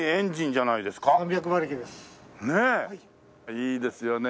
いいですよね